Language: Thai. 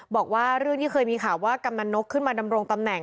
บอกว่าเรื่องที่เคยมีข่าวว่ากำนันนกขึ้นมาดำรงตำแหน่ง